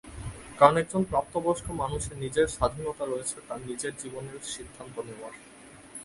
কারণ একজন প্রাপ্তবয়স্ক মানুষের নিজের স্বাধীনতা রয়েছে তার নিজের জীবনের সিদ্ধান্ত নেওয়ার।